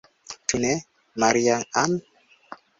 Ĉu ne, Maria-Ann?